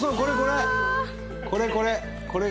これ、これ！